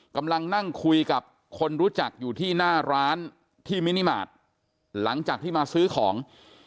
กำลังนั่งคุยกับคนรู้จักอยู่ที่หน้าร้านที่มินิมาตรหลังจากที่มาซื้อของ